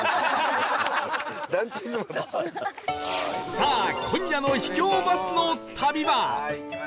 さあ今夜の秘境バスの旅は